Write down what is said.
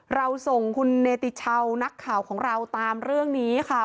เราส่งคุณเนติชาวนักข่าวของเราตามเรื่องนี้ค่ะ